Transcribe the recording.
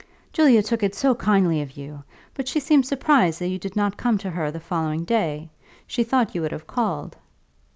"Julia took it so kindly of you; but she seems surprised that you did not come to her the following day. She thought you would have called."